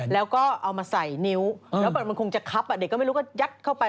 แล้วก็เอามาใส่นิ้วแล้วมันคงจะคับอ่ะเด็กก็ไม่รู้ก็ยัดเข้าไป